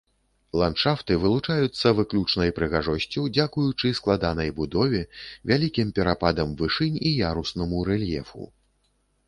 Ландшафты вылучаюцца выключнай прыгажосцю дзякуючы складанай будове, вялікім перападам вышынь і яруснаму рэльефу.